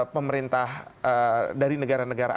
pemerintah dari negara negara